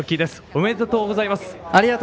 ありがとうございます。